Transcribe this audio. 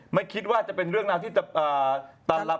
ไม่คิดว่าจะเป็นเรื่องนั้นที่จะตารปัด